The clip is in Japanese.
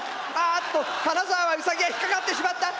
金沢はウサギが引っ掛かってしまった！